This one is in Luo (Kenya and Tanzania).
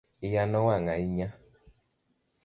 Iya no wang' ahinya